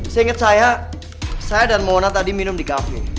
seinget saya saya dan mona tadi minum di cafe